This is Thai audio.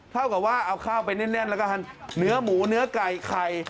เท่ากับว่าเอาข้าวไปเล่นแล้วก็เนื้อหมูเนื้อไก่ไข่